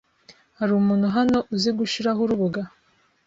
Hari umuntu hano uzi gushiraho urubuga?